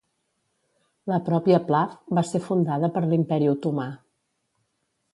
La pròpia Plav va ser fundada per l'imperi otomà.